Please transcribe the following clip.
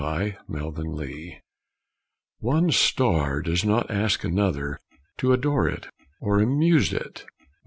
_ SELF DEPENDENCE One star does not ask another to adore it or amuse it; Mt.